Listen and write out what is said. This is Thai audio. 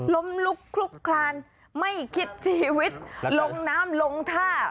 ล้มลุกคลุกคลานไม่คิดชีวิตลงน้ำลงท่า